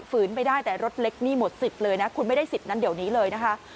ฝืนไปได้แต่รถเล็กนี่หมดสิบเลยนะคุณไม่ได้สิบนั้นเดี๋ยวนี้เลยนะคะ